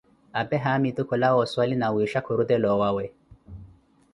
apee haamitu kulawa oswali, nawisha khurutela owawe.